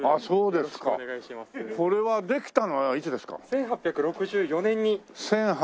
１８６４年。